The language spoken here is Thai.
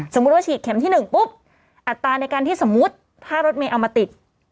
สมมุติว่าฉีดเข็มที่๑ปุ๊บอัตราในการที่สมมุติถ้ารถเมย์เอามาติด